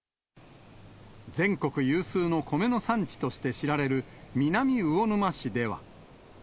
全国有数の米の産地として知られる南魚沼市では。